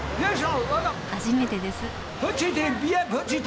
初めてです。